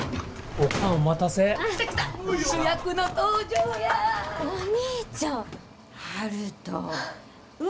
お兄ちゃん！